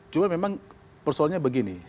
cuma memang persoalnya begini